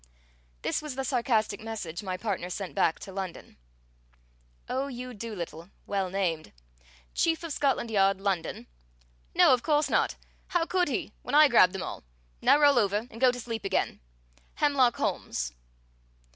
This was the sarcastic message my partner sent back to London: O. U. DOOLITTLE (well named), CHIEF OF SCOTLAND YARD, LONDON, No, of course not. How could he, when I grabbed them all? Now roll over and go to sleep again. HEMLOCK HOLMES.